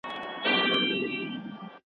د بې ایمانۍ پایلې څه وې؟